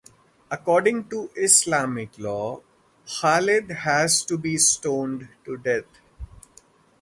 According to Islamic law, Khalid had to be stoned to death.